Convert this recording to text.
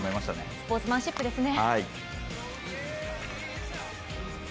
スポーツマンシップですね。